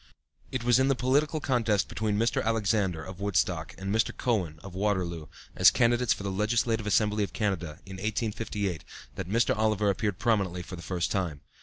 It was in the political contest between Mr. Alexander, of Woodstock, and Mr. Cowan, of Waterloo, as candidates for the Legislative Assembly of Canada, in 1858, that Mr. Oliver appeared prominently for the first time.